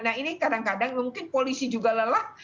nah ini kadang kadang mungkin polisi juga lelah